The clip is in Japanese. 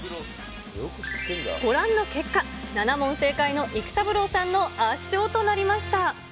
ご覧の結果、７問正解の育三郎さんの圧勝となりました。